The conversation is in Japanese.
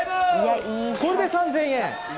これで３０００円？